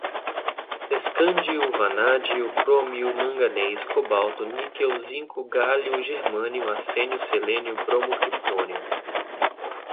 escândio, vanádio, crômio, manganês, cobalto, níquel, zinco, gálio, germânio, arsênio, selênio, bromo, criptônio